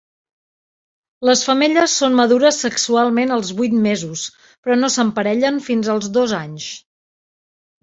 Les femelles són madures sexualment als vuit mesos, però no s'emparellen fins als dos anys.